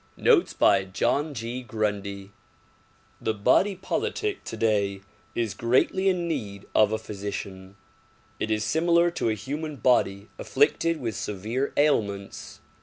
Notes by John G. Grundy THE body politic today is greatly in need of a physician. It is similar to a human body afflicted with severe ailments.